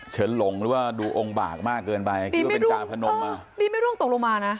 เฉินหลงหรือว่าดูองค์บาลมากเกินไปนี่ไม่ร่วงตกลงมานะ